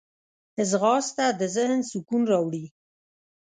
ځغاسته د ذهن سکون راوړي